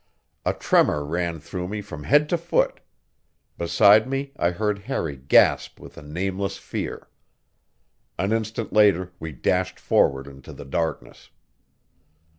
A tremor ran through me from head to foot; beside me I heard Harry gasp with a nameless fear. An instant later we dashed forward into the darkness.